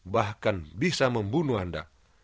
bahkan bisa membunuh anda